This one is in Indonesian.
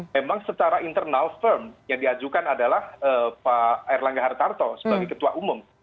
memang secara internal firm yang diajukan adalah pak erlangga hartarto sebagai ketua umum